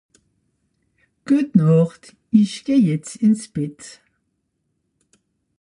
Gutnacht isch geh jetzt ins Bett